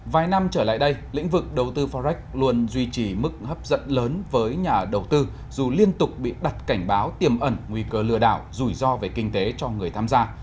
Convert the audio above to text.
vài năm trở lại đây lĩnh vực đầu tư forex luôn duy trì mức hấp dẫn lớn với nhà đầu tư dù liên tục bị đặt cảnh báo tiềm ẩn nguy cơ lừa đảo rủi ro về kinh tế cho người tham gia